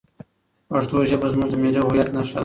پښتو ژبه زموږ د ملي هویت نښه ده.